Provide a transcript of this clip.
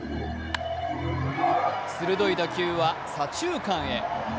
鋭い打球は左中間へ。